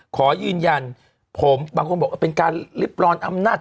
ขอยืนยันผมบางคนบอกว่าเป็นการริบรอนอำนาจ